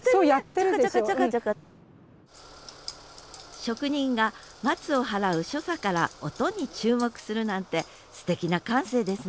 職人が松を払う所作から音に注目するなんてすてきな感性ですね